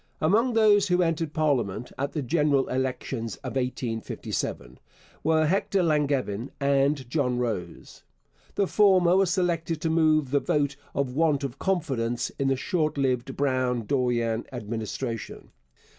Among those who first entered parliament at the general elections of 1857 were Hector Langevin and John Rose. The former was selected to move the vote of want of confidence in the short lived Brown Dorion Administration.